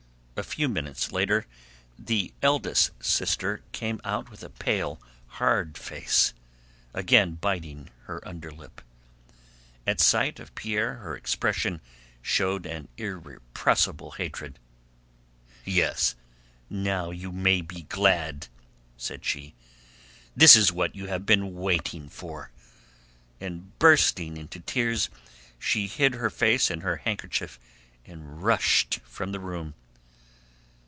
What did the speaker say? A few minutes later the eldest sister came out with a pale hard face, again biting her underlip. At sight of Pierre her expression showed an irrepressible hatred. "Yes, now you may be glad!" said she; "this is what you have been waiting for." And bursting into tears she hid her face in her handkerchief and rushed from the room.